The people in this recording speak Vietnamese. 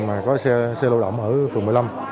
mà có xe lưu động ở phường một mươi năm